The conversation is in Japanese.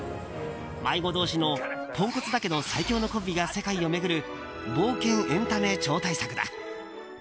迷子同士のポンコツだけど最強のコンビが世界を巡る冒険エンタメ超大作だ。